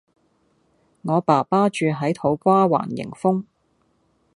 我爸爸住喺土瓜灣迎豐